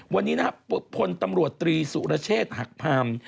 วันนี้นะครับพลตำรวจตรีสุรเชษฐ์หักพาม